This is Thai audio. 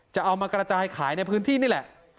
จะเอามากระจายขายในพื้นที่นี่แหละ